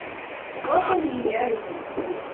La dificultad será la misma que en la canción anterior.